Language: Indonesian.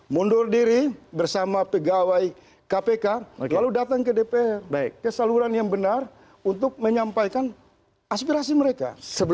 mundur diri bersama pegawai kpk lalu datang ke dpr ke saluran yang benar untuk menyampaikan aspirasi mereka